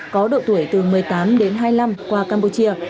có độ tuổi từ một mươi tám đến hai mươi năm qua campuchia